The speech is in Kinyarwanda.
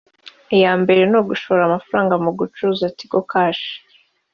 iyambere ni ugushora amafaranga mu gucuruza Tigo Cash